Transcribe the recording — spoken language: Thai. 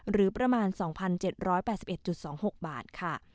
หรือประมาณ๒๗๘๑๒๖บาทค่ะ